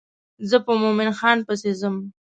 زه په مومن خان پسې ځم.